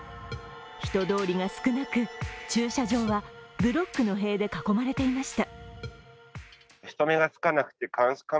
人通りが少なく、駐車場はブロックの塀で囲まれていました。